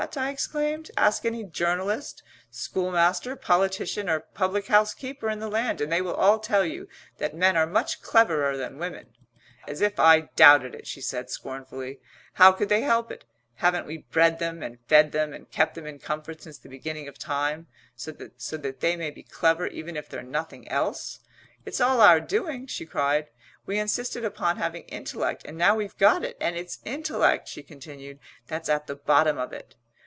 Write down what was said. I exclaimed. "Ask any journalist, schoolmaster, politician or public house keeper in the land and they will all tell you that men are much cleverer than women." "As if I doubted it," she said scornfully. "How could they help it? Haven't we bred them and fed and kept them in comfort since the beginning of time so that they may be clever even if they're nothing else? It's all our doing!" she cried. "We insisted upon having intellect and now we've got it. And it's intellect," she continued, "that's at the bottom of it.